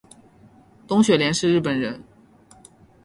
东雪莲是日本人